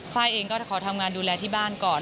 ไฟล์เองก็ขอทำงานดูแลที่บ้านก่อน